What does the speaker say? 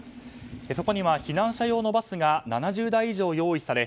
そこには避難者用のバスが７０台以上用意され